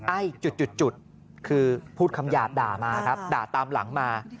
ไอ้จุดคือพูดคำหยาบด่ามาครับด่าตามหลังมา